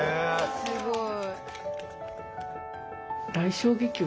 すごい。